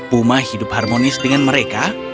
puma hidup harmonis dengan mereka